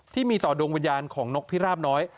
ที่มีต่อดวงวิญญาณของนกพิราบน้อย